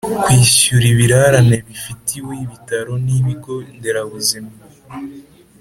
Kwishyura ibirarane bifitiwe ibitaro n ibigo nderabuzima